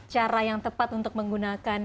cara yang tepat untuk menggunakan